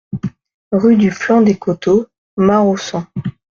Rue du Flanc des Côteaux, Maraussan